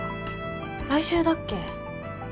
来週だっけ。